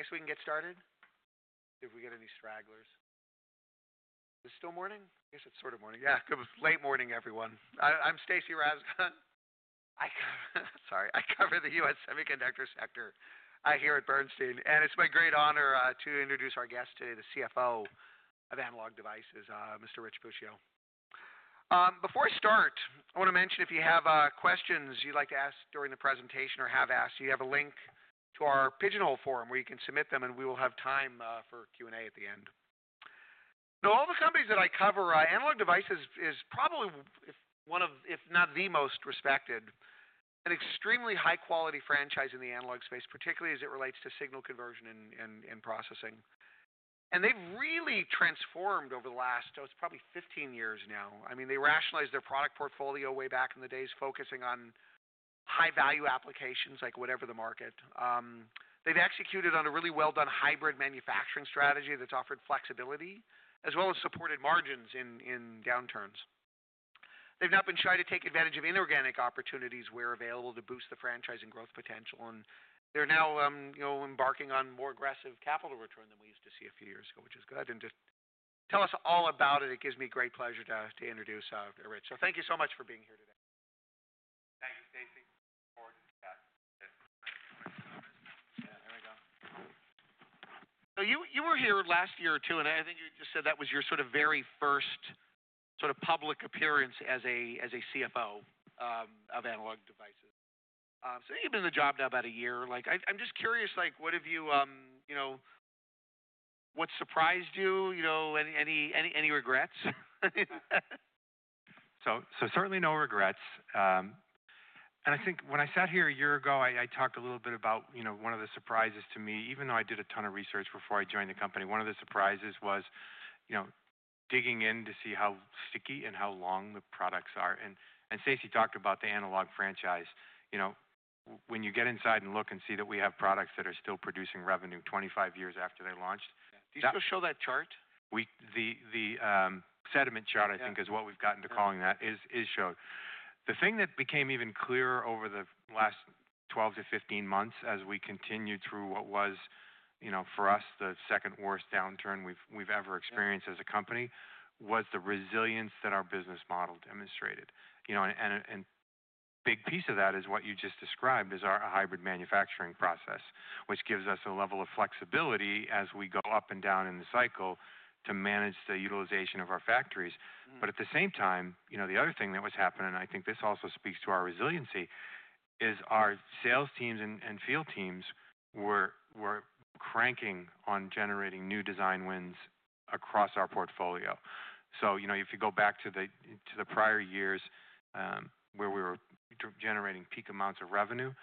I guess we can get started if we get any stragglers. Is it still morning? I guess it's sort of morning. Yeah, good late morning, everyone. I'm Stacy Rasgon. I cover—sorry—I cover the U.S. semiconductor sector here at Bernstein, and it's my great honor to introduce our guest today, the CFO of Analog Devices, Mr. Rich Puccio. Before I start, I want to mention if you have questions you'd like to ask during the presentation or have asked, you have a link to our pigeonhole forum where you can submit them, and we will have time for Q&A at the end. Now, of the companies that I cover, Analog Devices is probably, if not the most respected, an extremely high-quality franchise in the analog space, particularly as it relates to signal conversion and processing. And they've really transformed over the last—so it's probably 15 years now. I mean, they rationalized their product portfolio way back in the days, focusing on high-value applications like whatever the market. They have executed on a really well-done hybrid manufacturing strategy that has offered flexibility as well as supported margins in downturns. They have not been shy to take advantage of inorganic opportunities where available to boost the franchising growth potential, and they are now embarking on more aggressive capital return than we used to see a few years ago, which is good. To tell us all about it, it gives me great pleasure to introduce Rich. Thank you so much for being here today. Thank you, Stacy. Yeah, there we go. You were here last year or two, and I think you just said that was your sort of very first sort of public appearance as CFO of Analog Devices. You have been in the job now about a year. I'm just curious, what have you, what surprised you? Any regrets? Certainly no regrets. I think when I sat here a year ago, I talked a little bit about one of the surprises to me, even though I did a ton of research before I joined the company. One of the surprises was digging in to see how sticky and how long the products are. Stacy talked about the analog franchise. When you get inside and look and see that we have products that are still producing revenue 25 years after they launched. Do you still show that chart? The sediment chart, I think, is what we've gotten to calling that, is showed. The thing that became even clearer over the last 12 to 15 months as we continued through what was, for us, the second worst downturn we've ever experienced as a company was the resilience that our business model demonstrated. A big piece of that is what you just described as our hybrid manufacturing process, which gives us a level of flexibility as we go up and down in the cycle to manage the utilization of our factories. At the same time, the other thing that was happening, and I think this also speaks to our resiliency, is our sales teams and field teams were cranking on generating new design wins across our portfolio. If you go back to the prior years where we were generating peak amounts of revenue. That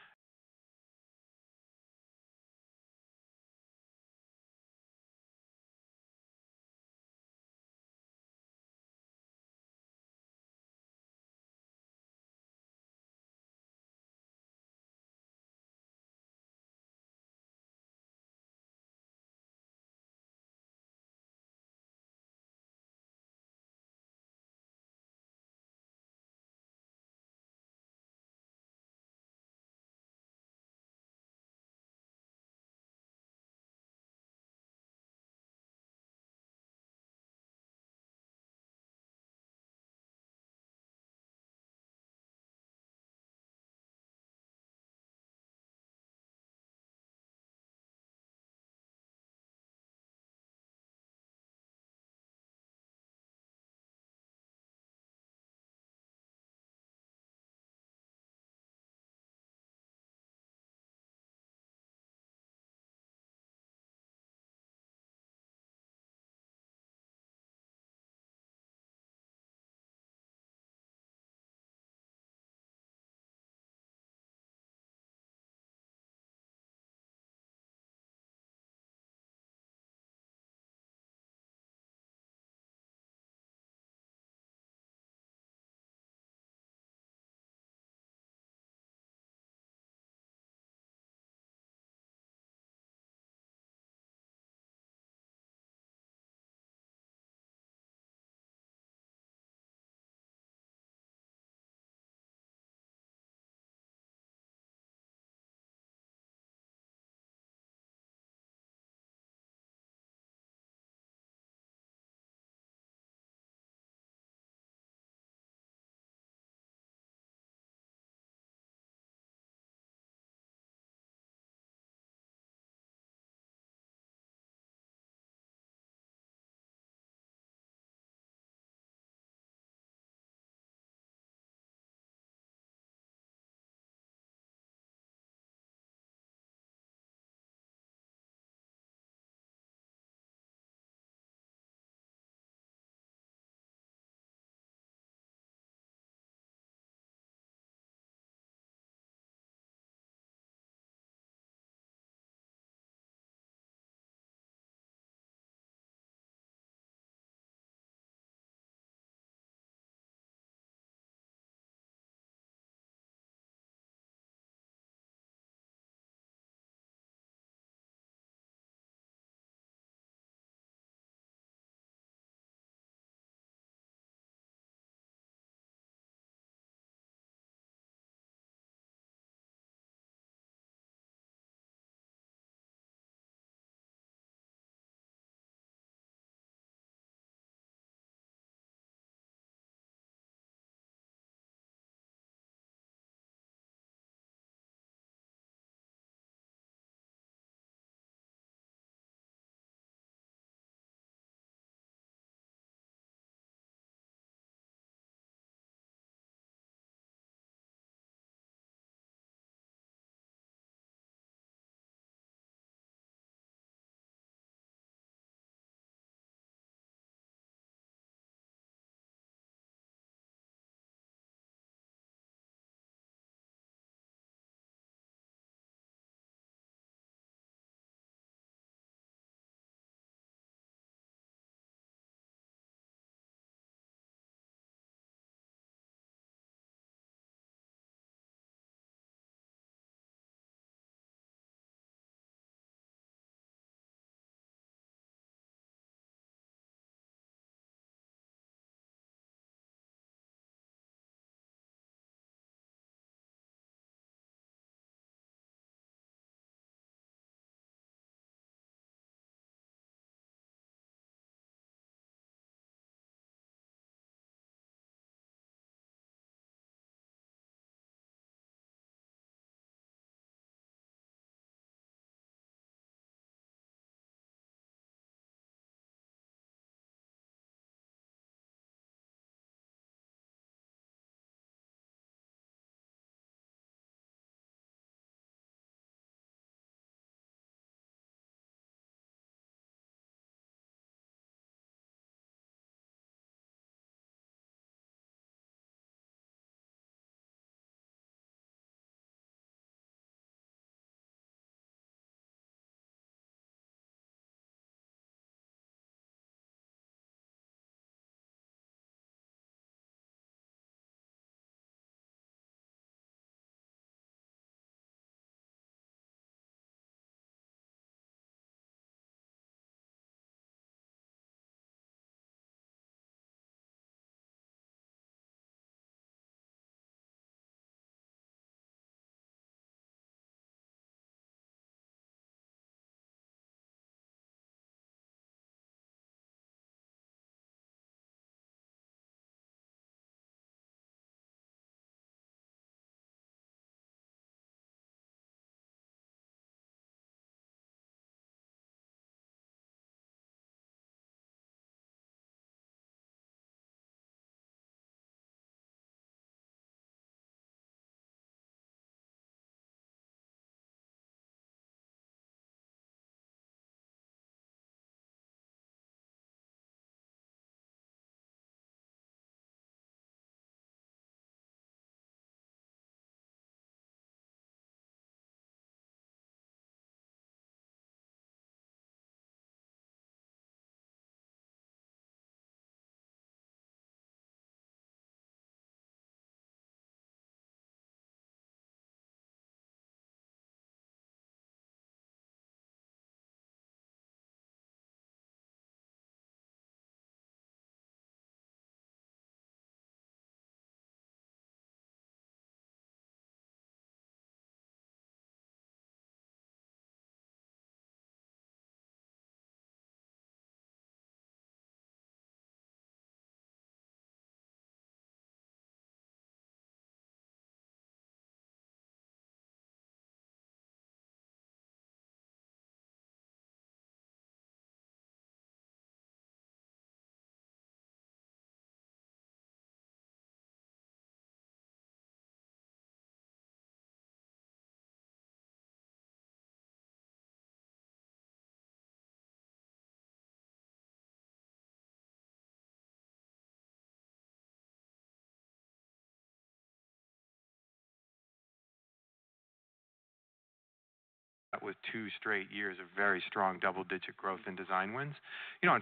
was two straight years of very strong double-digit growth in design wins.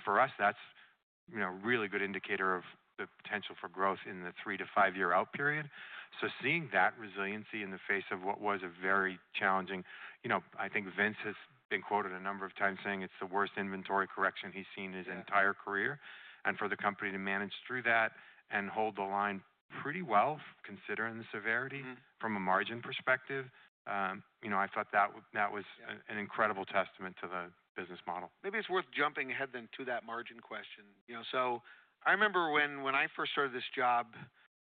For us, that is a really good indicator of the potential for growth in the three to five-year out period. Seeing that resiliency in the face of what was very challenging, I think Vince has been quoted a number of times saying it is the worst inventory correction he has seen in his entire career. For the company to manage through that and hold the line pretty well, considering the severity from a margin perspective, I thought that was an incredible testament to the business model. Maybe it's worth jumping ahead then to that margin question. I remember when I first started this job,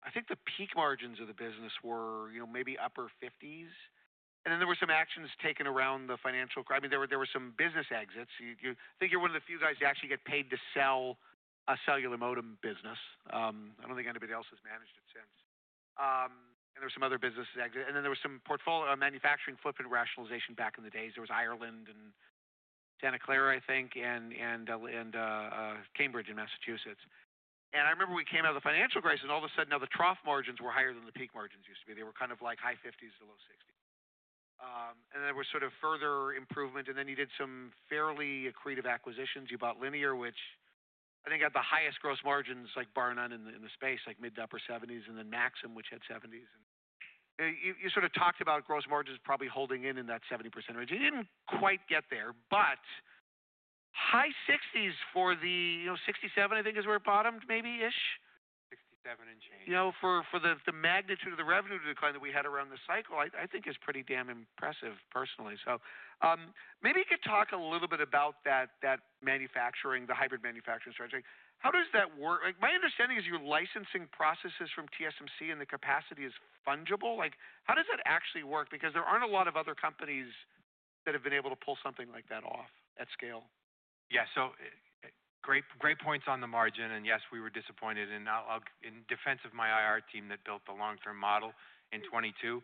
I think the peak margins of the business were maybe upper 50s. I mean, there were some actions taken around the financial crisis. There were some business exits. I think you're one of the few guys who actually get paid to sell a cellular modem business. I don't think anybody else has managed it since. There were some other business exits. There were some manufacturing footprint rationalization back in the days. There was Ireland and Santa Clara, I think, and Cambridge in Massachusetts. I remember we came out of the financial crisis, and all of a sudden, now the trough margins were higher than the peak margins used to be. They were kind of like high 50s to low 60s. There was sort of further improvement. You did some fairly accretive acquisitions. You bought Linear, which I think had the highest gross margins, like bar none in the space, like mid to upper 70%, and then Maxim, which had 70%. You sort of talked about gross margins probably holding in that 70% range. It did not quite get there, but high 60s for the '67, I think is where it bottomed maybe-ish. 67 and change. For the magnitude of the revenue decline that we had around the cycle, I think is pretty damn impressive personally. Maybe you could talk a little bit about that manufacturing, the hybrid manufacturing strategy. How does that work? My understanding is you're licensing processes from TSMC, and the capacity is fungible. How does that actually work? Because there aren't a lot of other companies that have been able to pull something like that off at scale. Yeah, so great points on the margin. Yes, we were disappointed. In defense of my IRR team that built the long-term model in 2022,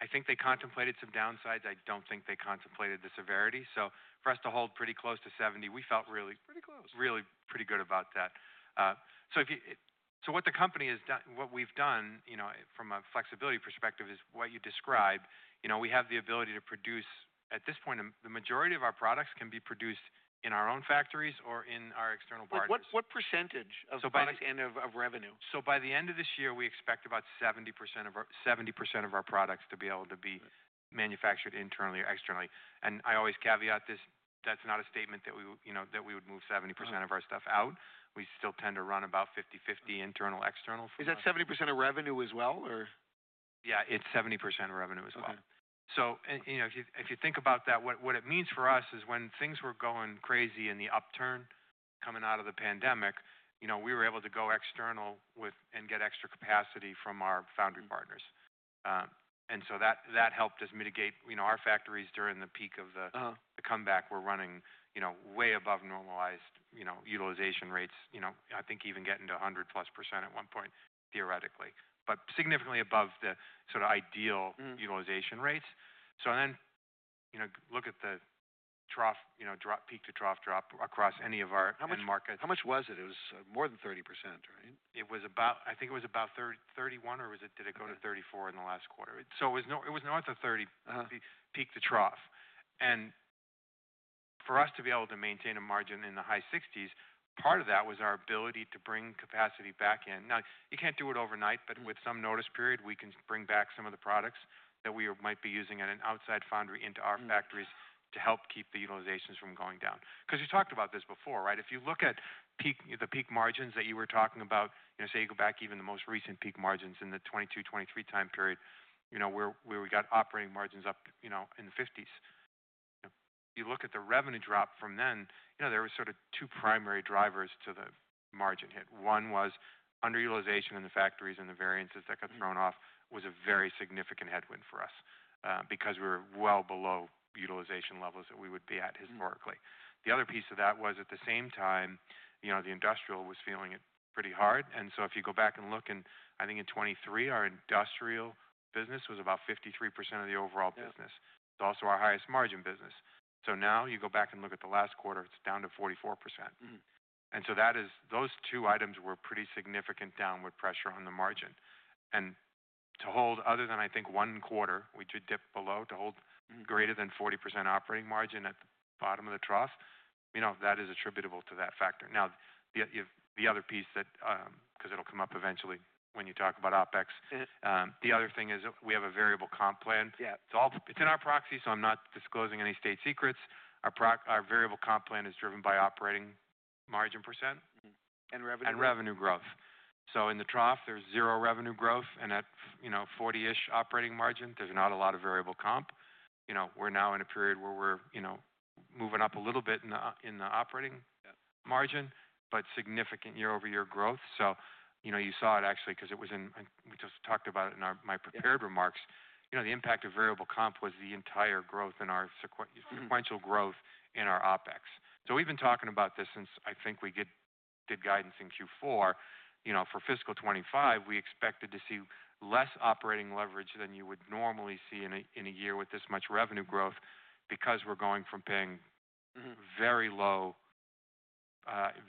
I think they contemplated some downsides. I do not think they contemplated the severity. For us to hold pretty close to 70, we felt really. Pretty close. Really pretty good about that. What the company has done, what we've done from a flexibility perspective is what you described. We have the ability to produce at this point, the majority of our products can be produced in our own factories or in our external partners. What percentage of products and of revenue? By the end of this year, we expect about 70% of our products to be able to be manufactured internally or externally. I always caveat this. That's not a statement that we would move 70% of our stuff out. We still tend to run about 50/50 internal, external for. Is that 70% of revenue as well, or? Yeah, it's 70% of revenue as well. If you think about that, what it means for us is when things were going crazy in the upturn coming out of the pandemic, we were able to go external and get extra capacity from our foundry partners. That helped us mitigate our factories during the peak of the comeback. We were running way above normalized utilization rates. I think even getting to 100-plus percent at one point, theoretically, but significantly above the sort of ideal utilization rates. Look at the peak to trough drop across any of our markets. How much was it? It was more than 30%, right? I think it was about 31, or did it go to 34 in the last quarter? It was north of 30%, peak to trough. For us to be able to maintain a margin in the high 60%, part of that was our ability to bring capacity back in. You can't do it overnight, but with some notice period, we can bring back some of the products that we might be using at an outside foundry into our factories to help keep the utilizations from going down. You talked about this before, right? If you look at the peak margins that you were talking about, say you go back even the most recent peak margins in the 2022, 2023 time period, where we got operating margins up in the 50%. If you look at the revenue drop from then, there were sort of two primary drivers to the margin hit. One was underutilization in the factories and the variances that got thrown off was a very significant headwind for us because we were well below utilization levels that we would be at historically. The other piece of that was at the same time, the industrial was feeling it pretty hard. If you go back and look, I think in 2023, our industrial business was about 53% of the overall business. It's also our highest margin business. Now you go back and look at the last quarter, it's down to 44%. Those two items were pretty significant downward pressure on the margin. To hold other than, I think, one quarter, we did dip below, to hold greater than 40% operating margin at the bottom of the trough. That is attributable to that factor. Now, the other piece that, because it'll come up eventually when you talk about OpEx, the other thing is we have a variable comp plan. It's in our proxy, so I'm not disclosing any state secrets. Our variable comp plan is driven by operating margin %. Revenue growth. And revenue growth. In the trough, there is zero revenue growth. At 40-ish operating margin, there is not a lot of variable comp. We are now in a period where we are moving up a little bit in the operating margin, but significant year-over-year growth. You saw it actually because it was in, we just talked about it in my prepared remarks. The impact of variable comp was the entire growth in our sequential growth in our OpEx. We have been talking about this since I think we did guidance in Q4. For fiscal 2025, we expected to see less operating leverage than you would normally see in a year with this much revenue growth because we are going from paying very low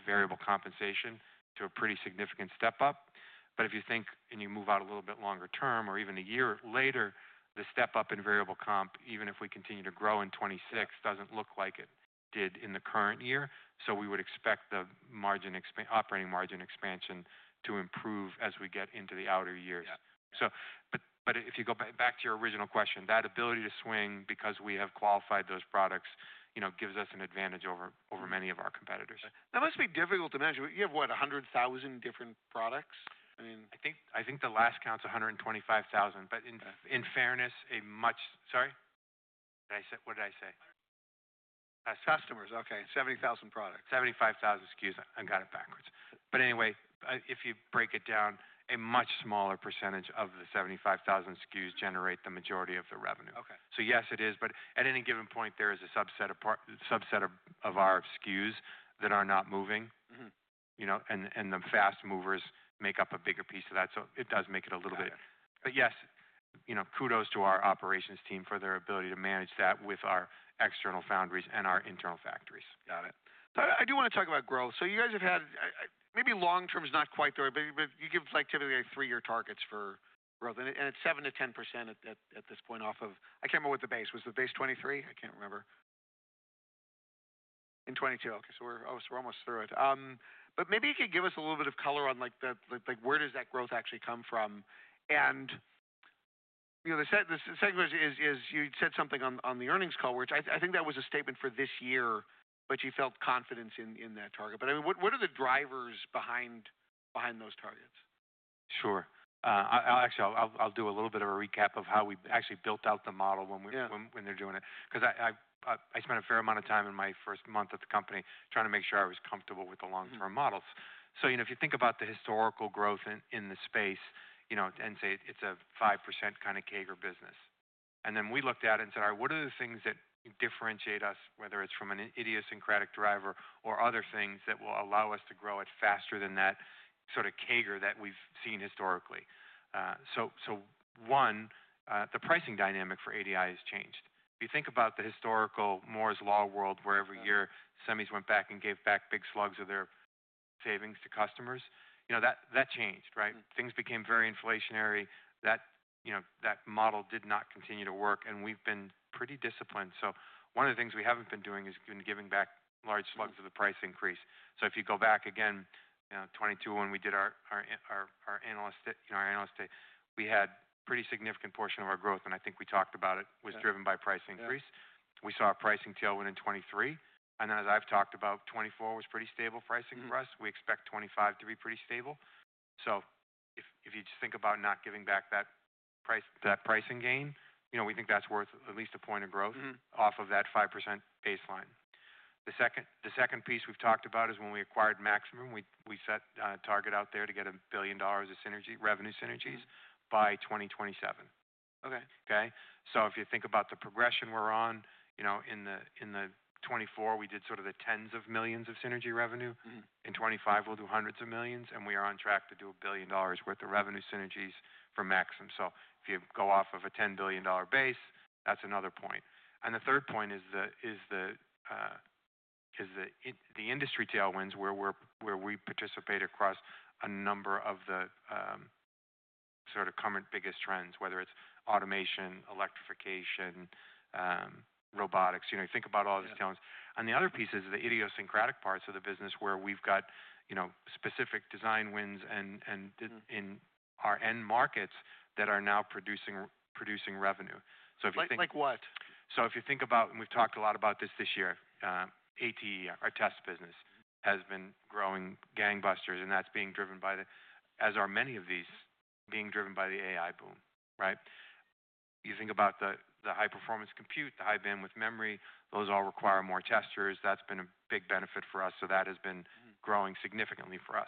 variable compensation to a pretty significant step up. If you think and you move out a little bit longer term or even a year later, the step up in variable comp, even if we continue to grow in 2026, does not look like it did in the current year. We would expect the operating margin expansion to improve as we get into the outer years. If you go back to your original question, that ability to swing because we have qualified those products gives us an advantage over many of our competitors. That must be difficult to manage. You have, what, 100,000 different products? I think the last count's 125,000. In fairness, a much—sorry? What did I say? Customers, okay. 70,000 products. 75,000 SKUs. I got it backwards. Anyway, if you break it down, a much smaller percentage of the 75,000 SKUs generate the majority of the revenue. Yes, it is. At any given point, there is a subset of our SKUs that are not moving. The fast movers make up a bigger piece of that. It does make it a little bit. Yes, kudos to our operations team for their ability to manage that with our external foundries and our internal factories. Got it. I do want to talk about growth. You guys have had, maybe long-term is not quite the right, but you give typically three-year targets for growth. It is 7%-10% at this point off of, I cannot remember what the base was. Was it base 2023? I cannot remember. In 2022. Okay. We are almost through it. Maybe you could give us a little bit of color on where that growth actually comes from? The second question is, you said something on the earnings call, which I think was a statement for this year, but you felt confidence in that target. I mean, what are the drivers behind those targets? Sure. Actually, I'll do a little bit of a recap of how we actually built out the model when they're doing it. Because I spent a fair amount of time in my first month at the company trying to make sure I was comfortable with the long-term models. If you think about the historical growth in the space and say it's a 5% kind of CAGR business. Then we looked at it and said, "All right, what are the things that differentiate us, whether it's from an idiosyncratic driver or other things that will allow us to grow it faster than that sort of CAGR that we've seen historically?" One, the pricing dynamic for ADI has changed. If you think about the historical Moore's Law world, where every year SEMIs went back and gave back big slugs of their savings to customers, that changed, right? Things became very inflationary. That model did not continue to work. We have been pretty disciplined. One of the things we have not been doing has been giving back large slugs of the price increase. If you go back again, 2022, when we did our analyst day, we had a pretty significant portion of our growth, and I think we talked about it, was driven by price increase. We saw our pricing tailwind in 2023. As I have talked about, 2024 was pretty stable pricing for us. We expect 2025 to be pretty stable. If you just think about not giving back that pricing gain, we think that is worth at least a point of growth off of that 5% baseline. The second piece we have talked about is when we acquired Maxim, we set a target out there to get $1 billion of revenue synergies by 2027. Okay. If you think about the progression we're on in 2024, we did sort of the tens of millions of synergy revenue. In 2025, we'll do hundreds of millions, and we are on track to do a billion dollars' worth of revenue synergies for Maxim. If you go off of a $10 billion base, that's another point. The third point is the industry tailwinds where we participate across a number of the sort of current biggest trends, whether it's automation, electrification, robotics. You think about all these tailwinds. The other piece is the idiosyncratic parts of the business where we've got specific design wins in our end markets that are now producing revenue. If you think. Like what? If you think about, and we've talked a lot about this this year, ATE, our test business, has been growing gangbusters. That's being driven by the, as are many of these, being driven by the AI boom, right? You think about the high-performance compute, the high bandwidth memory, those all require more testers. That's been a big benefit for us. That has been growing significantly for us.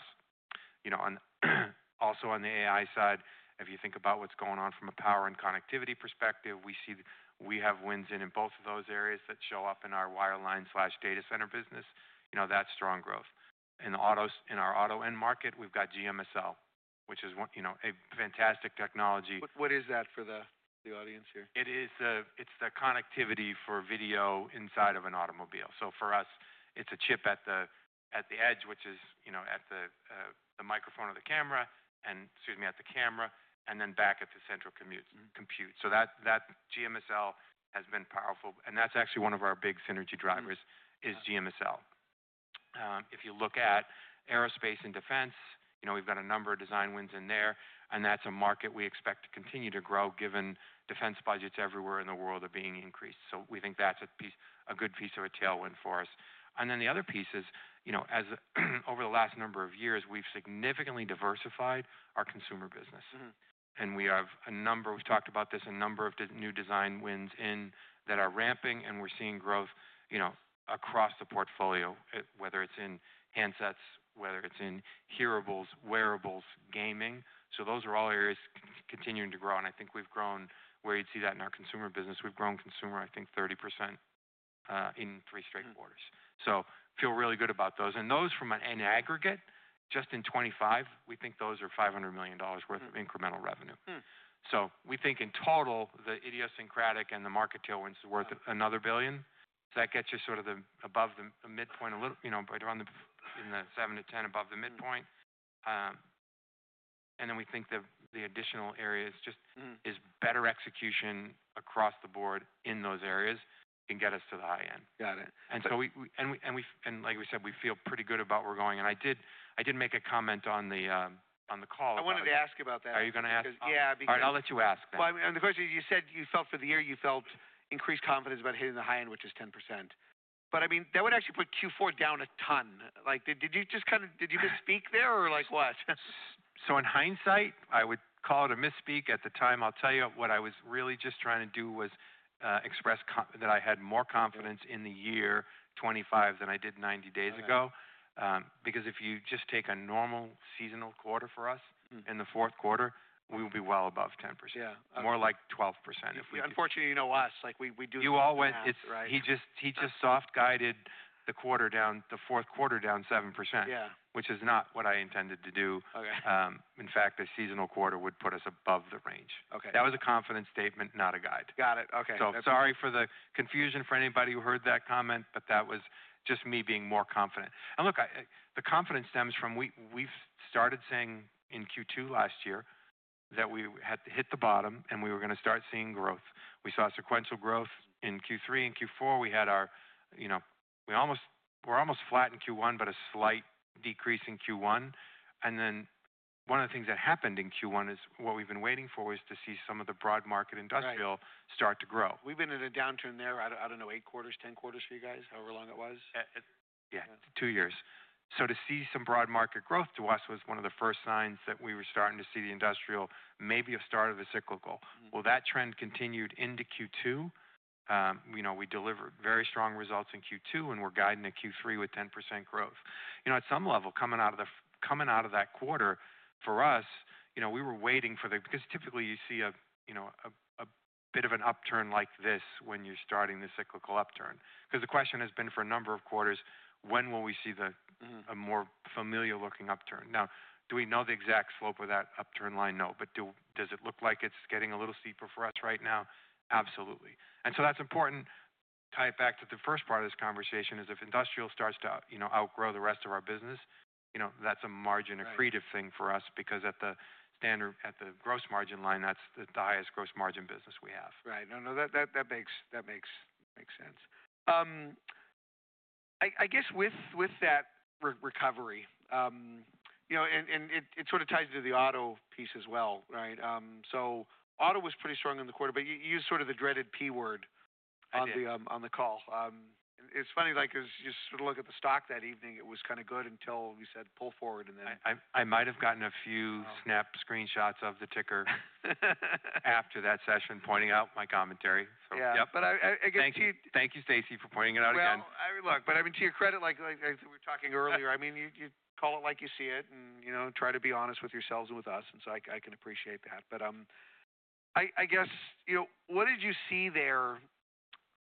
Also on the AI side, if you think about what's going on from a power and connectivity perspective, we have wins in both of those areas that show up in our wireline/data center business. That's strong growth. In our auto end market, we've got GMSL, which is a fantastic technology. What is that for the audience here? It's the connectivity for video inside of an automobile. For us, it's a chip at the edge, which is at the microphone or the camera, and, excuse me, at the camera, and then back at the central compute. That GMSL has been powerful. That's actually one of our big synergy drivers, GMSL. If you look at aerospace and defense, we've got a number of design wins in there. That's a market we expect to continue to grow given defense budgets everywhere in the world are being increased. We think that's a good piece of a tailwind for us. The other piece is, over the last number of years, we've significantly diversified our consumer business. We have a number, we've talked about this, a number of new design wins that are ramping, and we're seeing growth across the portfolio, whether it's in handsets, whether it's in hearables, wearables, gaming. Those are all areas continuing to grow. I think we've grown where you'd see that in our consumer business. We've grown consumer, I think, 30% in three straight quarters. Feel really good about those. Those from an aggregate, just in 2025, we think those are $500 million worth of incremental revenue. We think in total, the idiosyncratic and the market tailwinds are worth another $1 billion. That gets you sort of above the midpoint, a little in the seven to 10 above the midpoint. We think the additional areas just is better execution across the board in those areas can get us to the high end. Got it. Like we said, we feel pretty good about where we're going. I did make a comment on the call. I wanted to ask about that. Are you going to ask? Yeah, because. All right, I'll let you ask then. The question is, you said you felt for the year, you felt increased confidence about hitting the high end, which is 10%. I mean, that would actually put Q4 down a ton. Did you just kind of, did you misspeak there or what? In hindsight, I would call it a misspeak at the time. I'll tell you what I was really just trying to do was express that I had more confidence in the year 2025 than I did 90 days ago. Because if you just take a normal seasonal quarter for us in the fourth quarter, we will be well above 10%. More like 12% if we can. Unfortunately, you know us. We do. You all went. He just soft-guided the fourth quarter down 7%, which is not what I intended to do. In fact, the seasonal quarter would put us above the range. That was a confidence statement, not a guide. Got it. Okay. Sorry for the confusion for anybody who heard that comment, but that was just me being more confident. The confidence stems from we've started saying in Q2 last year that we had hit the bottom and we were going to start seeing growth. We saw sequential growth in Q3. In Q4, we were almost flat in Q1, but a slight decrease in Q1. One of the things that happened in Q1 is what we've been waiting for, which is to see some of the broad market industrial start to grow. We've been in a downturn there out of, I don't know, eight quarters, 10 quarters for you guys, however long it was. Yeah, two years. To see some broad market growth to us was one of the first signs that we were starting to see the industrial maybe a start of a cyclical. That trend continued into Q2. We delivered very strong results in Q2 and we're guiding to Q3 with 10% growth. At some level, coming out of that quarter, for us, we were waiting for the because typically you see a bit of an upturn like this when you're starting the cyclical upturn. The question has been for a number of quarters, when will we see a more familiar-looking upturn? Now, do we know the exact slope of that upturn line? No. Does it look like it's getting a little steeper for us right now? Absolutely. That is important. Tie it back to the first part of this conversation is if industrial starts to outgrow the rest of our business, that's a margin accretive thing for us because at the gross margin line, that's the highest gross margin business we have. Right. No, no, that makes sense. I guess with that recovery, and it sort of ties to the auto piece as well, right? Auto was pretty strong in the quarter, but you used sort of the dreaded P word on the call. It's funny, like as you sort of look at the stock that evening, it was kind of good until we said, "Pull forward," and then. I might have gotten a few snap screenshots of the ticker after that session pointing out my commentary. Yeah. Yeah. I guess. Thank you, Stacy, for pointing it out again. Look, but I mean, to your credit, like we were talking earlier, I mean, you call it like you see it and try to be honest with yourselves and with us. I can appreciate that. I guess, what did you see there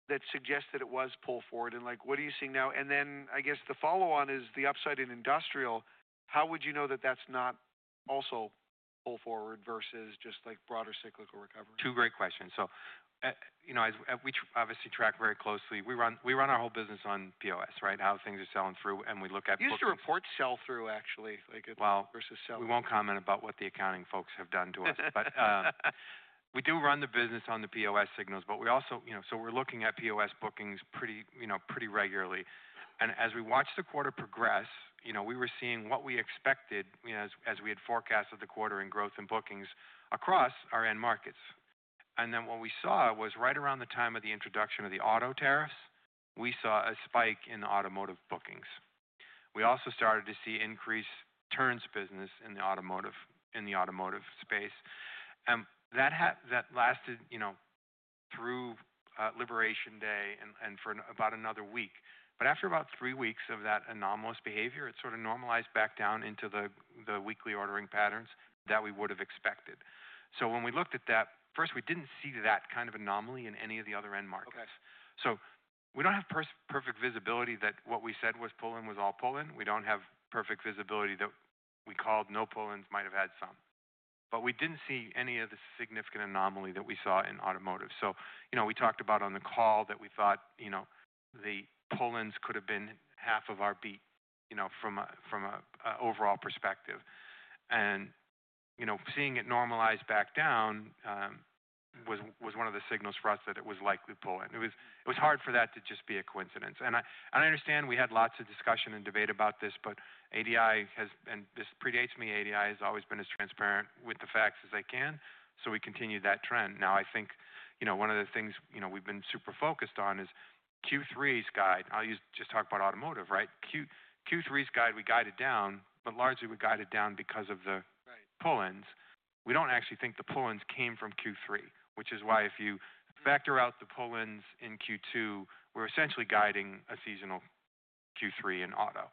that suggested it was pull forward? What do you see now? I guess the follow-on is the upside in industrial. How would you know that that is not also pull forward versus just broader cyclical recovery? Two great questions. We obviously track very closely. We run our whole business on POS, right? How things are selling through, and we look at. We used to report sell-through, actually, versus sell-to. We will not comment about what the accounting folks have done to us. We do run the business on the POS signals, but we also, so we are looking at POS bookings pretty regularly. As we watched the quarter progress, we were seeing what we expected as we had forecasted the quarter in growth and bookings across our end markets. What we saw was right around the time of the introduction of the auto tariffs, we saw a spike in the automotive bookings. We also started to see increased turns business in the automotive space. That lasted through Liberation Day and for about another week. After about three weeks of that anomalous behavior, it sort of normalized back down into the weekly ordering patterns that we would have expected. When we looked at that, first, we did not see that kind of anomaly in any of the other end markets. We do not have perfect visibility that what we said was pull-in was all pull-in. We do not have perfect visibility that we called no pull-ins might have had some. We did not see any of the significant anomaly that we saw in automotive. We talked about on the call that we thought the pull-ins could have been half of our beat from an overall perspective. Seeing it normalize back down was one of the signals for us that it was likely pull-in. It was hard for that to just be a coincidence. I understand we had lots of discussion and debate about this, but ADI has, and this predates me, ADI has always been as transparent with the facts as they can. We continue that trend. Now, I think one of the things we've been super focused on is Q3's guide. I'll just talk about automotive, right? Q3's guide, we guided down, but largely we guided down because of the pull-ins. We don't actually think the pull-ins came from Q3, which is why if you factor out the pull-ins in Q2, we're essentially guiding a seasonal Q3 in auto.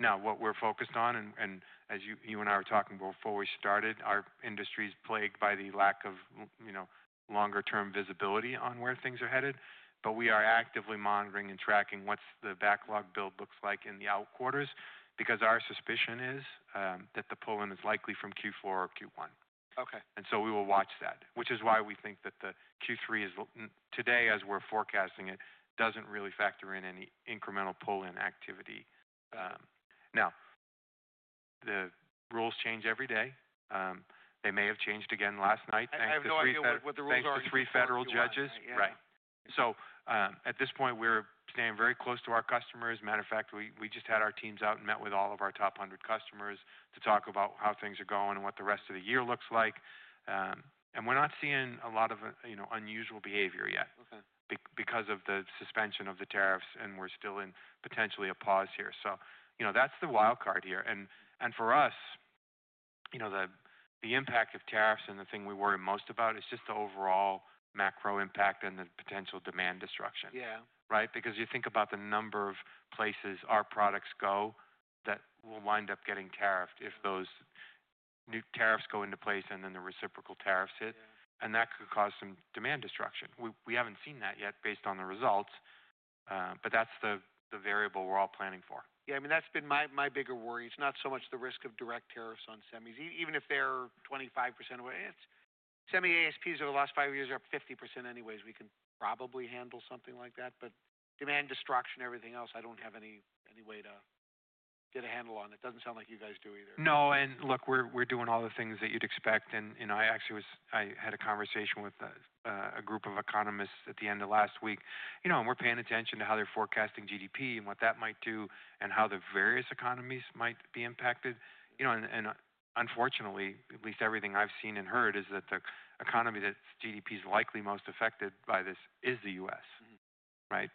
Now, what we're focused on, and as you and I were talking before we started, our industry is plagued by the lack of longer-term visibility on where things are headed. We are actively monitoring and tracking what the backlog build looks like in the out quarters because our suspicion is that the pull-in is likely from Q4 or Q1. We will watch that, which is why we think that the Q3 is today, as we're forecasting it, does not really factor in any incremental pull-in activity. The rules change every day. They may have changed again last night. I have no idea what the rules are. Thanks to three federal judges. Right. At this point, we're staying very close to our customers. As a matter of fact, we just had our teams out and met with all of our top 100 customers to talk about how things are going and what the rest of the year looks like. We're not seeing a lot of unusual behavior yet because of the suspension of the tariffs, and we're still in potentially a pause here. That is the wild card here. For us, the impact of tariffs and the thing we worry most about is just the overall macro impact and the potential demand destruction. Yeah. Right? You think about the number of places our products go that will wind up getting tariffed if those new tariffs go into place and then the reciprocal tariffs hit. That could cause some demand destruction. We haven't seen that yet based on the results, but that's the variable we're all planning for. Yeah. I mean, that's been my bigger worry. It's not so much the risk of direct tariffs on semis. Even if they're 25% away, semi-ASPs over the last five years are up 50% anyways. We can probably handle something like that. Demand destruction, everything else, I don't have any way to get a handle on. It doesn't sound like you guys do either. No. Look, we're doing all the things that you'd expect. I actually had a conversation with a group of economists at the end of last week. We're paying attention to how they're forecasting GDP and what that might do and how the various economies might be impacted. Unfortunately, at least everything I've seen and heard is that the economy that GDP is likely most affected by this is the U.S., right?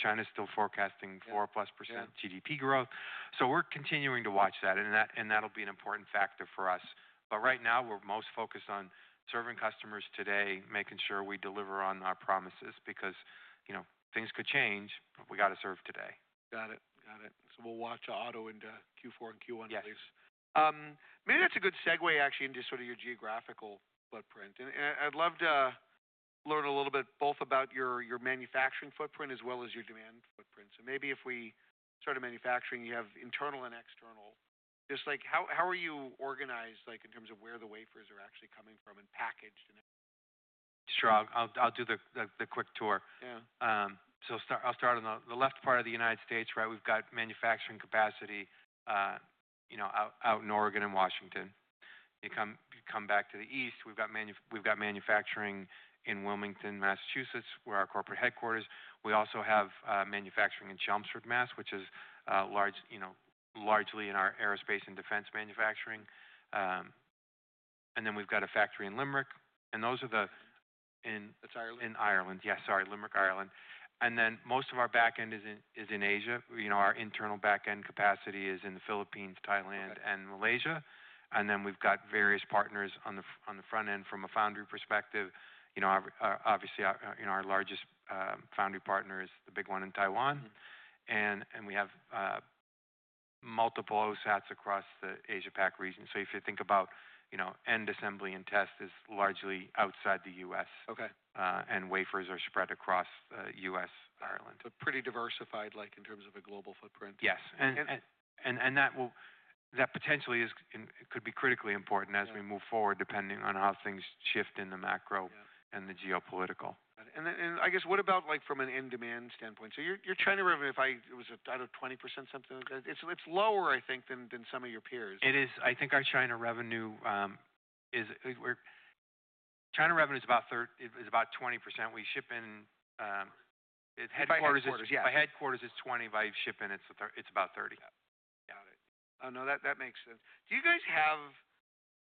China's still forecasting 4%+ GDP growth. We're continuing to watch that. That'll be an important factor for us. Right now, we're most focused on serving customers today, making sure we deliver on our promises because things could change. We got to serve today. Got it. We'll watch auto into Q4 and Q1 at least. Yes. Maybe that's a good segue, actually, into sort of your geographical footprint. I'd love to learn a little bit both about your manufacturing footprint as well as your demand footprint. Maybe if we started manufacturing, you have internal and external. Just how are you organized in terms of where the wafers are actually coming from and packaged? Sure. I'll do the quick tour. I'll start on the left part of the United States, right? We've got manufacturing capacity out in Oregon and Washington. You come back to the east, we've got manufacturing in Wilmington, Massachusetts, where our corporate headquarters. We also have manufacturing in Chelmsford, Massachusetts, which is largely in our aerospace and defense manufacturing. We have a factory in Limerick. Those are the. That's Ireland? In Ireland. Yes, sorry, Limerick, Ireland. Most of our backend is in Asia. Our internal backend capacity is in the Philippines, Thailand, and Malaysia. We have various partners on the front end from a foundry perspective. Obviously, our largest foundry partner is the big one in Taiwan. We have multiple OSATs across the Asia-Pac region. If you think about end assembly and test, it is largely outside the U.S., and wafers are spread across the U.S., Ireland. Pretty diversified in terms of a global footprint. Yes. That potentially could be critically important as we move forward depending on how things shift in the macro and the geopolitical. I guess what about from an in-demand standpoint? Your China revenue, if I was at 20%, something like that, it's lower, I think, than some of your peers. It is. I think our China revenue is about 20%. We ship in. By headquarters, yeah. By headquarters, it's 20. By ship in, it's about 30. Got it. No, that makes sense. Do you guys have,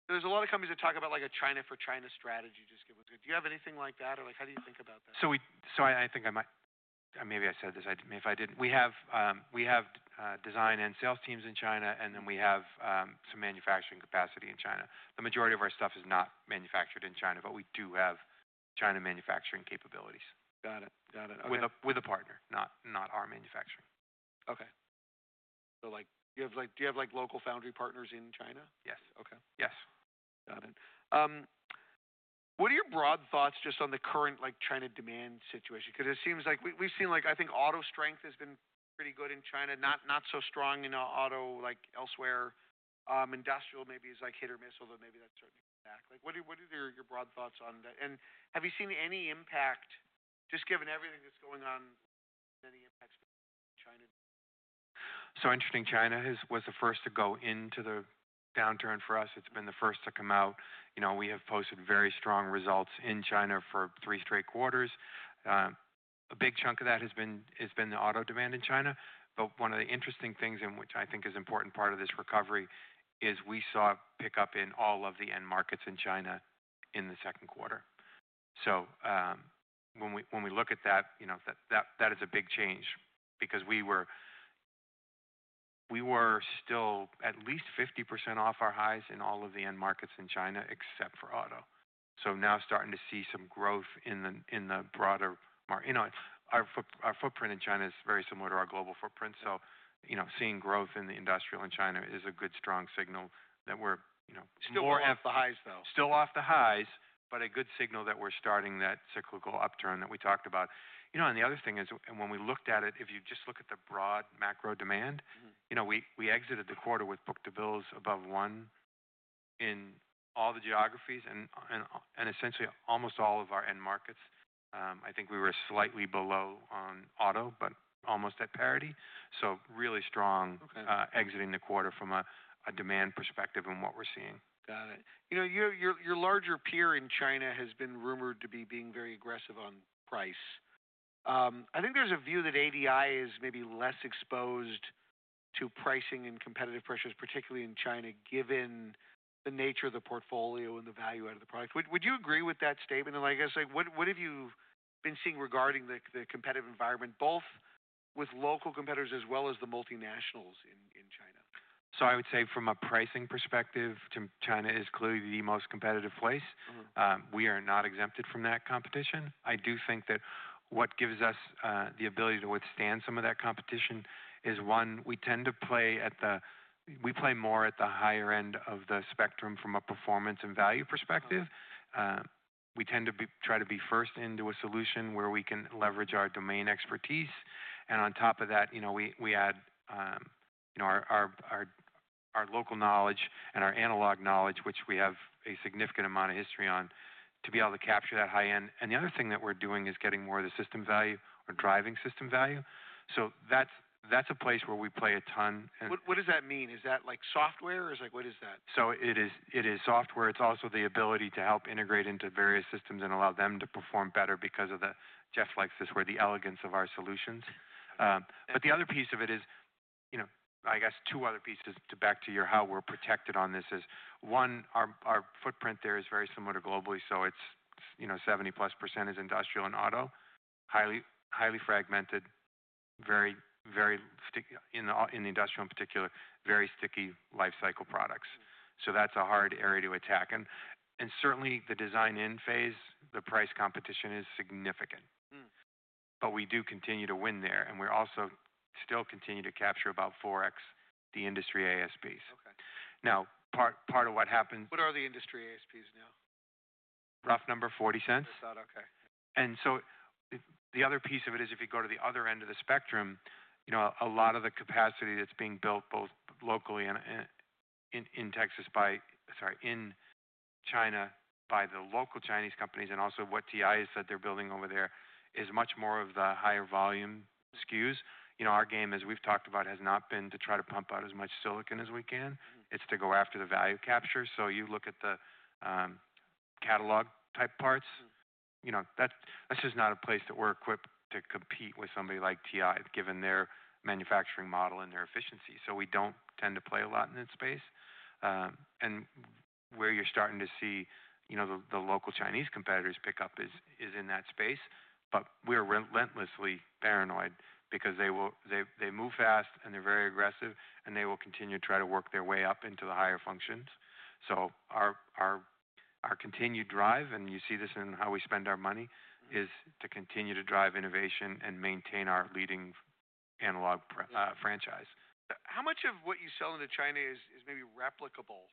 there's a lot of companies that talk about a China for China strategy, just give us. Do you have anything like that? Or how do you think about that? I think I might, maybe I said this. If I didn't, we have design and sales teams in China, and then we have some manufacturing capacity in China. The majority of our stuff is not manufactured in China, but we do have China manufacturing capabilities. Got it. With a partner, not our manufacturing. Okay. So do you have local foundry partners in China? Yes. Got it. What are your broad thoughts just on the current China demand situation? Because it seems like we've seen, I think, auto strength has been pretty good in China, not so strong in auto elsewhere. Industrial maybe is hit or miss, although maybe that's starting to come back. What are your broad thoughts on that? Have you seen any impact, just given everything that's going on, any impacts in China? Interesting. China was the first to go into the downturn for us. It's been the first to come out. We have posted very strong results in China for three straight quarters. A big chunk of that has been the auto demand in China. One of the interesting things in which I think is an important part of this recovery is we saw pickup in all of the end markets in China in the second quarter. When we look at that, that is a big change because we were still at least 50% off our highs in all of the end markets in China, except for auto. Now starting to see some growth in the broader market. Our footprint in China is very similar to our global footprint. Seeing growth in the industrial in China is a good strong signal that we're. Still more off the highs, though. Still off the highs, but a good signal that we're starting that cyclical upturn that we talked about. The other thing is, when we looked at it, if you just look at the broad macro demand, we exited the quarter with book to bills above one in all the geographies and essentially almost all of our end markets. I think we were slightly below on auto, but almost at parity. Really strong exiting the quarter from a demand perspective in what we're seeing. Got it. Your larger peer in China has been rumored to be being very aggressive on price. I think there's a view that ADI is maybe less exposed to pricing and competitive pressures, particularly in China, given the nature of the portfolio and the value out of the product. Would you agree with that statement? I guess, what have you been seeing regarding the competitive environment, both with local competitors as well as the multinationals in China? I would say from a pricing perspective, China is clearly the most competitive place. We are not exempted from that competition. I do think that what gives us the ability to withstand some of that competition is, one, we tend to play more at the higher end of the spectrum from a performance and value perspective. We tend to try to be first into a solution where we can leverage our domain expertise. On top of that, we add our local knowledge and our analog knowledge, which we have a significant amount of history on, to be able to capture that high end. The other thing that we are doing is getting more of the system value or driving system value. That is a place where we play a ton. What does that mean? Is that software? What is that? It is software. It's also the ability to help integrate into various systems and allow them to perform better because of the, Jeff likes this word, the elegance of our solutions. The other piece of it is, I guess, two other pieces to back to your how we're protected on this is, one, our footprint there is very similar to globally. It is 70%+ is industrial and auto, highly fragmented, very sticky in the industrial in particular, very sticky life cycle products. That is a hard area to attack. Certainly, the design in phase, the price competition is significant. We do continue to win there. We also still continue to capture about 4X the industry ASPs. Now, part of what happens. What are the industry ASPs now? Rough number, $0.40. $0.40. Okay. The other piece of it is if you go to the other end of the spectrum, a lot of the capacity that's being built both locally in China by the local Chinese companies and also what TI has said they're building over there is much more of the higher volume SKUs. Our game, as we've talked about, has not been to try to pump out as much silicon as we can. It's to go after the value capture. You look at the catalog type parts. That's just not a place that we're equipped to compete with somebody like TI, given their manufacturing model and their efficiency. We don't tend to play a lot in that space. Where you're starting to see the local Chinese competitors pick up is in that space. We're relentlessly paranoid because they move fast and they're very aggressive, and they will continue to try to work their way up into the higher functions. So our continued drive, and you see this in how we spend our money, is to continue to drive innovation and maintain our leading analog franchise. How much of what you sell into China is maybe replicable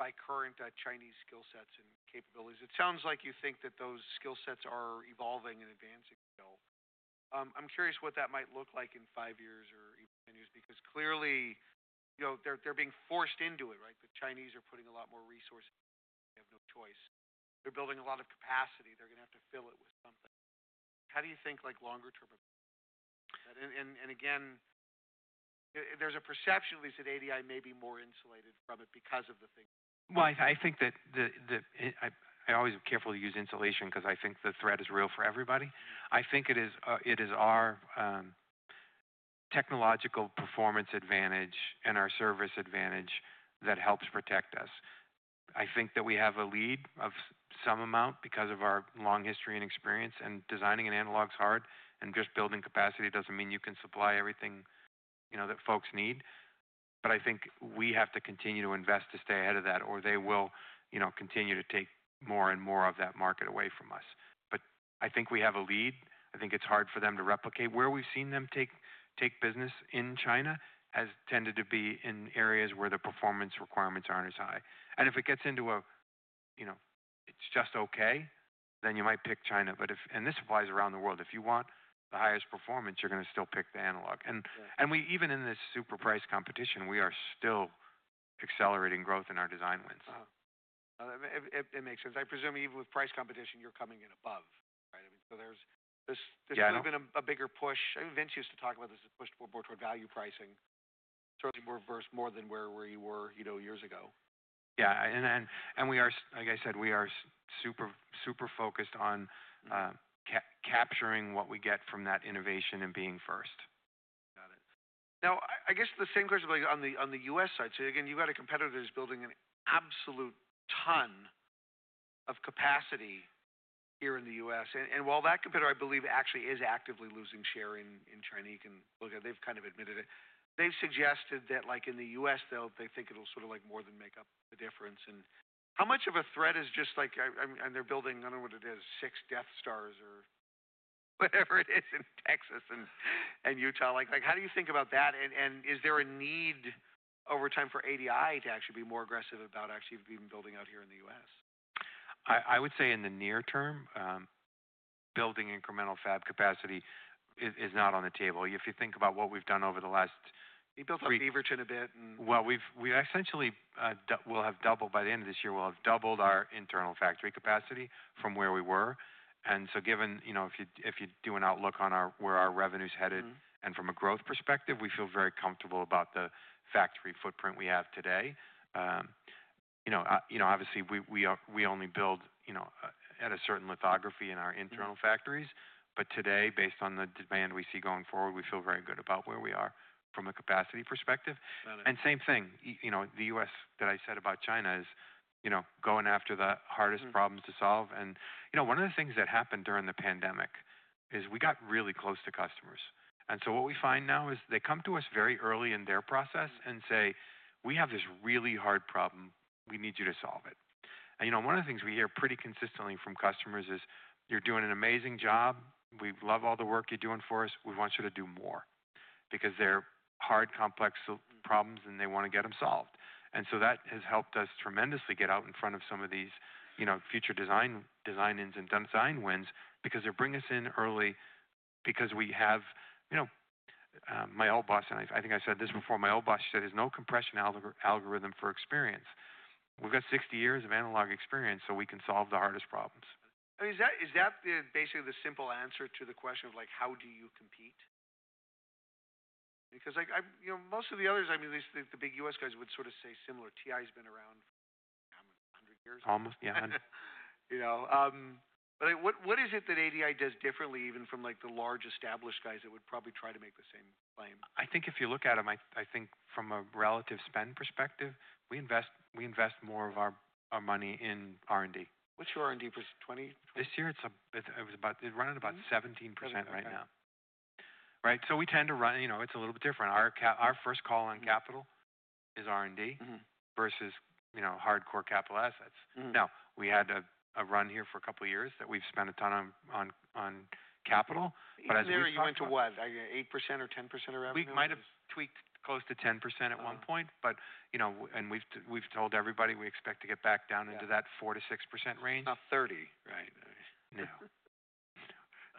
by current Chinese skill sets and capabilities? It sounds like you think that those skill sets are evolving and advancing still. I'm curious what that might look like in five years or even ten years because clearly they're being forced into it, right? The Chinese are putting a lot more resources. They have no choice. They're building a lot of capacity. They're going to have to fill it with something. How do you think longer term? Again, there's a perception at least that ADI may be more insulated from it because of the things. I think that I always carefully use insulation because I think the threat is real for everybody. I think it is our technological performance advantage and our service advantage that helps protect us. I think that we have a lead of some amount because of our long history and experience. Designing an analog is hard. Just building capacity does not mean you can supply everything that folks need. I think we have to continue to invest to stay ahead of that, or they will continue to take more and more of that market away from us. I think we have a lead. I think it is hard for them to replicate. Where we have seen them take business in China has tended to be in areas where the performance requirements are not as high. If it gets into a it is just okay, then you might pick China. This applies around the world. If you want the highest performance, you're going to still pick the analog. Even in this super price competition, we are still accelerating growth in our design wins. It makes sense. I presume even with price competition, you're coming in above, right? I mean, so there's sort of been a bigger push. Vince used to talk about this push more toward value pricing, certainly more versus more than where you were years ago. Yeah. Like I said, we are super focused on capturing what we get from that innovation and being first. Got it. Now, I guess the same question on the U.S. side. Again, you've got a competitor that is building an absolute ton of capacity here in the U.S. While that competitor, I believe, actually is actively losing share in China, you can look at it. They've kind of admitted it. They've suggested that in the U.S., though, they think it'll sort of more than make up the difference. How much of a threat is just like they're building, I don't know what it is, six Death Stars or whatever it is in Texas and Utah? How do you think about that? Is there a need over time for ADI to actually be more aggressive about actually being built out here in the U.S.? I would say in the near term, building incremental fab capacity is not on the table. If you think about what we've done over the last three. You built up Beaverton a bit. Well, we essentially will have doubled by the end of this year. We'll have doubled our internal factory capacity from where we were. Given if you do an outlook on where our revenue is headed and from a growth perspective, we feel very comfortable about the factory footprint we have today. Obviously, we only build at a certain lithography in our internal factories. Today, based on the demand we see going forward, we feel very good about where we are from a capacity perspective. The U.S., that I said about China, is going after the hardest problems to solve. One of the things that happened during the pandemic is we got really close to customers. What we find now is they come to us very early in their process and say, "We have this really hard problem. We need you to solve it." And you know, one of the things we hear pretty consistently from customers is, "You're doing an amazing job. We love all the work you're doing for us. We want you to do more." They are hard, complex problems, and they want to get them solved. That has helped us tremendously get out in front of some of these future design wins because they are bringing us in early because we have my old boss, and I think I said this before, my old boss said, "There is no compression algorithm for experience. We have 60 years of analog experience, so we can solve the hardest problems. I mean, is that basically the simple answer to the question of how do you compete? Because most of the others, I mean, at least the big U.S. guys would sort of say similar. TI has been around for, I mean, 100 years. Almost, yeah, 100 What is it that ADI does differently even from the large established guys that would probably try to make the same claim? I think if you look at them, I think from a relative spend perspective, we invest more of our money in R&D. What's your R&D percentage? This year, it was about running about 17% right now. Right? So we tend to run, it's a little bit different. Our first call on capital is R&D versus hardcore capital assets. Now, we had a run here for a couple of years that we've spent a ton on capital. But as we've seen. This year, you went to what? 8% or 10% around here? We might have tweaked close to 10% at one point. We have told everybody we expect to get back down into that 4-6% range. Not 30, right? No.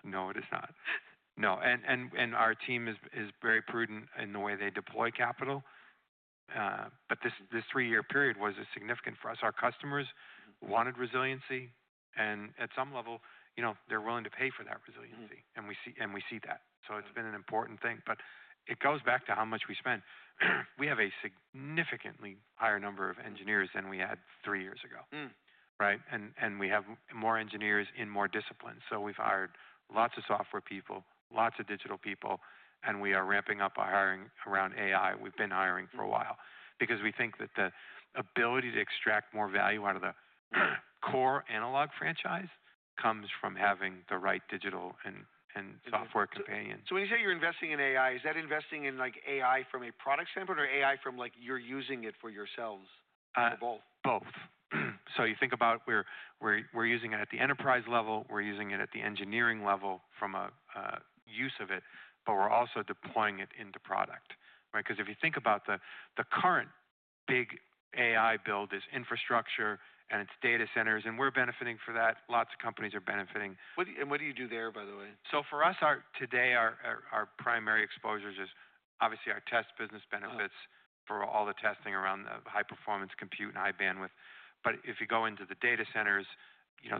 No, it is not. No. Our team is very prudent in the way they deploy capital. This three-year period was significant for us. Our customers wanted resiliency. At some level, they are willing to pay for that resiliency. We see that. It has been an important thing. It goes back to how much we spend. We have a significantly higher number of engineers than we had three years ago, right? We have more engineers in more disciplines. We have hired lots of software people, lots of digital people. We are ramping up our hiring around AI. We have been hiring for a while because we think that the ability to extract more value out of the core analog franchise comes from having the right digital and software companions. When you say you're investing in AI, is that investing in AI from a product standpoint or AI from you're using it for yourselves or both? Both. You think about we're using it at the enterprise level. We're using it at the engineering level from a use of it. We're also deploying it into product, right? If you think about the current big AI build, it's infrastructure and it's data centers. We're benefiting from that. Lots of companies are benefiting. What do you do there, by the way? For us, today, our primary exposure is obviously our test business benefits for all the testing around the high performance compute and high bandwidth. If you go into the data centers,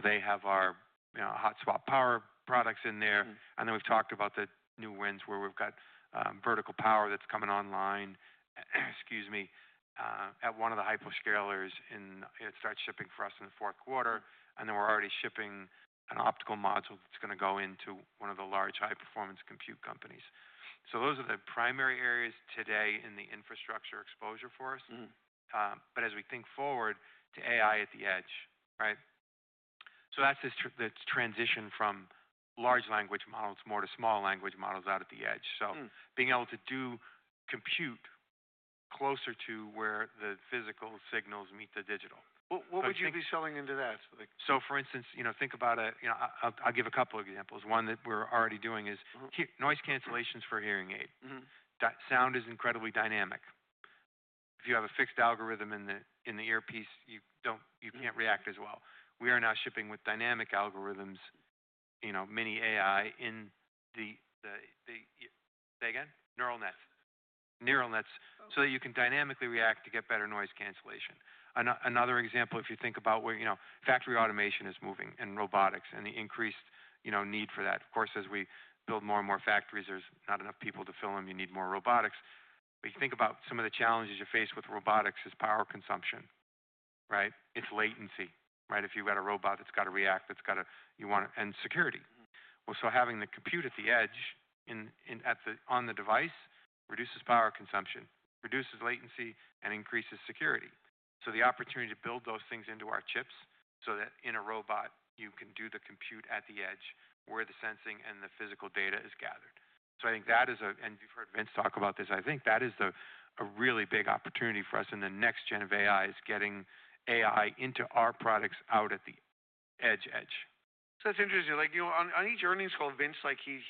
they have our hot swap power products in there. We have talked about the new wins where we have got vertical power that is coming online, excuse me, at one of the hyperscalers and it starts shipping for us in the fourth quarter. We are already shipping an optical module that is going to go into one of the large high performance compute companies. Those are the primary areas today in the infrastructure exposure for us. As we think forward to AI at the edge, right? That is the transition from large language models more to small language models out at the edge. Being able to do the compute closer to where the physical signals meet the digital. What would you be selling into that? For instance, think about it. I'll give a couple of examples. One that we're already doing is noise cancellations for hearing aids. That sound is incredibly dynamic. If you have a fixed algorithm in the earpiece, you can't react as well. We are now shipping with dynamic algorithms, mini AI in the—say again? Neural nets. Neural nets. So that you can dynamically react to get better noise cancellation. Another example, if you think about where factory automation is moving and robotics and the increased need for that. Of course, as we build more and more factories, there's not enough people to fill them. You need more robotics. You think about some of the challenges you face with robotics is power consumption, right? It's latency, right? If you've got a robot that's got to react, that's got to—and security. Having the compute at the edge on the device reduces power consumption, reduces latency, and increases security. The opportunity to build those things into our chips so that in a robot, you can do the compute at the edge where the sensing and the physical data is gathered. I think that is a, and you've heard Vince talk about this, I think that is a really big opportunity for us in the next gen of AI, is getting AI into our products out at the edge edge. That's interesting. On each earnings call, Vince, he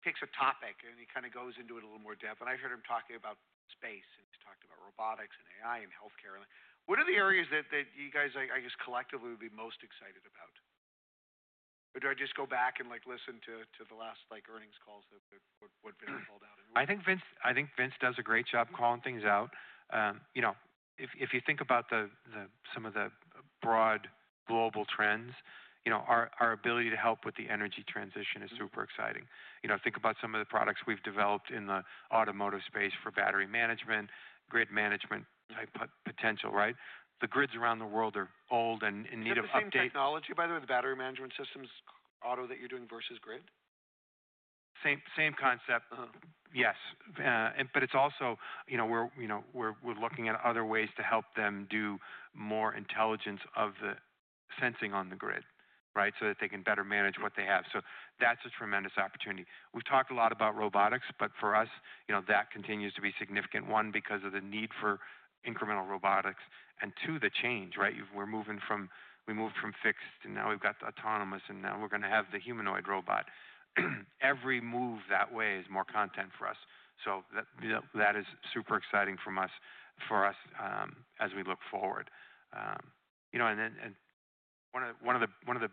picks a topic and he kind of goes into it a little more depth. I've heard him talking about space and he's talked about robotics and AI and healthcare. What are the areas that you guys, I guess, collectively would be most excited about? Or do I just go back and listen to the last earnings calls that were called out? I think Vince does a great job calling things out. If you think about some of the broad global trends, our ability to help with the energy transition is super exciting. Think about some of the products we've developed in the automotive space for battery management, grid management type potential, right? The grids around the world are old and in need of update. Is that the same technology, by the way, the battery management systems, auto that you're doing versus grid? Same concept. Yes. It is also we are looking at other ways to help them do more intelligence of the sensing on the grid, right, so that they can better manage what they have. That is a tremendous opportunity. We have talked a lot about robotics, but for us, that continues to be a significant one because of the need for incremental robotics. And two, the change, right? We moved from fixed and now we have the autonomous and now we are going to have the humanoid robot. Every move that way is more content for us. That is super exciting for us as we look forward. One of the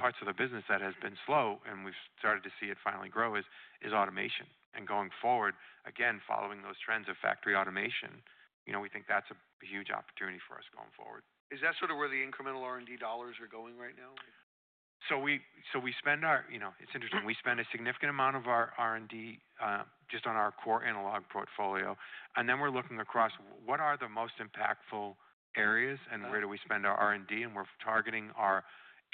parts of the business that has been slow and we have started to see it finally grow is automation. Going forward, again, following those trends of factory automation, we think that is a huge opportunity for us going forward. Is that sort of where the incremental R&D dollars are going right now? It is interesting. We spend a significant amount of our R&D just on our core analog portfolio. And then we're looking across what are the most impactful areas and where do we spend our R&D. We're targeting our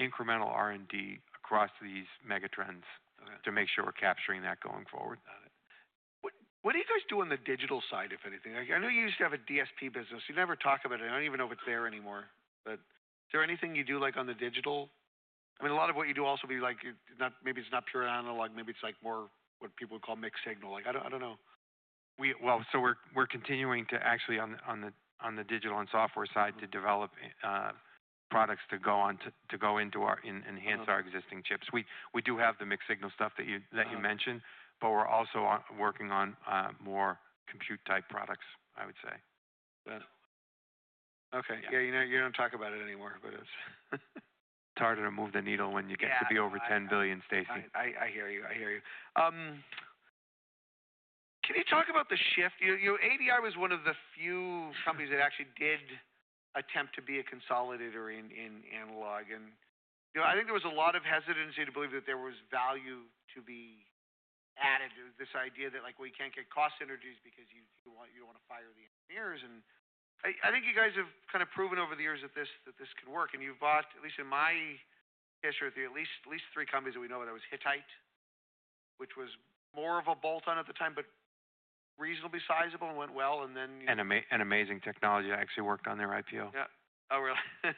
incremental R&D across these mega trends to make sure we're capturing that going forward. Got it. What do you guys do on the digital side, if anything? I know you used to have a DSP business. You never talk about it. I do not even know if it is there anymore. Is there anything you do on the digital? I mean, a lot of what you do also be maybe it is not pure analog. Maybe it is more what people would call mixed signal. I do not know. We are continuing to actually on the digital and software side to develop products to go into or enhance our existing chips. We do have the mixed-signal stuff that you mentioned, but we are also working on more compute type products, I would say. Got it. Okay. Yeah, you don't talk about it anymore, but it's. It's harder to move the needle when you get to be over $10 billion, Stacy. I hear you. Can you talk about the shift? ADI was one of the few companies that actually did attempt to be a consolidator in analog. I think there was a lot of hesitancy to believe that there was value to be added to this idea that we can't get cost synergies because you don't want to fire the engineers. I think you guys have kind of proven over the years that this can work. You've bought, at least in my history, at least three companies that we know of. There was Hitchhike, which was more of a bolt-on at the time, but reasonably sizable and went well. And then. Amazing Technology actually worked on their IPO. Yeah. Oh, really? It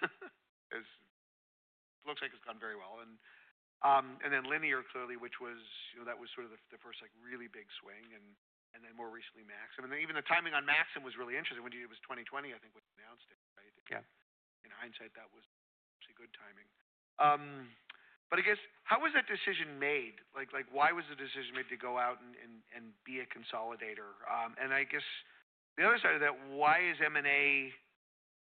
looks like it's gone very well. Linear, clearly, which was that was sort of the first really big swing. More recently, Maxim. Even the timing on Maxim was really interesting. It was 2020, I think, when they announced it, right? Yeah. In hindsight, that was actually good timing. I guess, how was that decision made? Why was the decision made to go out and be a consolidator? I guess the other side of that, why is M&A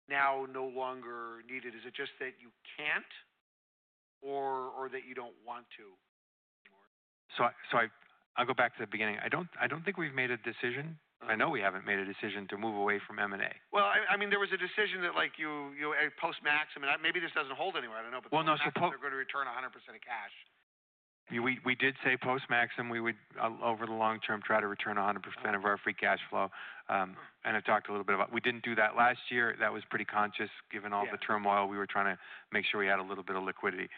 now no longer needed? Is it just that you can't or that you don't want to anymore? I'll go back to the beginning. I don't think we've made a decision. I know we haven't made a decision to move away from M&A. I mean, there was a decision that post-Maxim, and maybe this doesn't hold anymore. I don't know. Well, no. They're going to return 100% of cash. We did say post-Maxim, we would over the long term try to return 100% of our free cash flow. I have talked a little bit about we did not do that last year. That was pretty conscious given all the turmoil. We were trying to make sure we had a little bit of liquidity.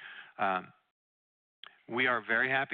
We are very happy.